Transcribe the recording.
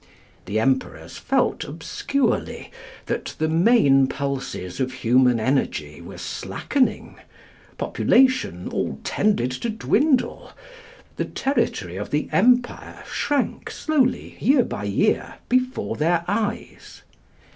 The Emperors felt obscurely that the main pulses of human energy were slackening; population all tended to dwindle; the territory of the empire shrank slowly year by year before their eyes.